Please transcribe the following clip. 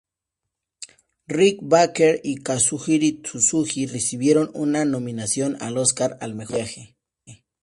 Rick Baker y Kazuhiro Tsuji recibieron una nominación al Oscar al mejor maquillaje.